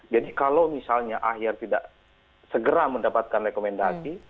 jadi kalau misalnya ahyar tidak segera mendapatkan rekomendasi